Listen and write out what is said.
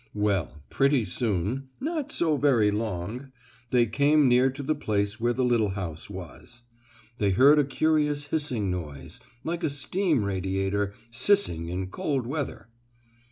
Well, pretty soon, not so very long, they came near to the place where the little house was. They heard a curious hissing noise, like a steam radiator sissing in cold weather.